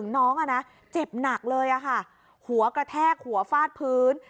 น้องเจ็บหนักเลยค่ะหัวกระแทกหัวฟาดพื้น